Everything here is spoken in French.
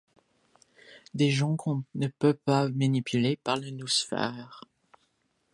De gens qu’on ne peut pas manipuler par la noosphère.